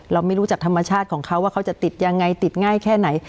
เราไม่รู้จักธรรมชาติของเขาว่าเขาจะติดยังไงติดง่ายแค่ไหน